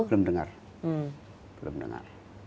belum dengar gak ada belum dengar